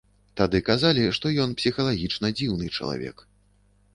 Тады казалі, што ён псіхалагічна дзіўны чалавек.